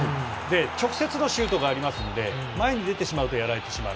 直接のシュートがありますので前に出てしまうとやられてしまう。